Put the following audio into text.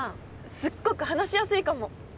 すっごく話しやすいかも。